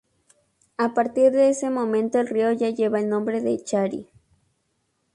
A partir de ese momento, el río ya lleva el nombre de Chari.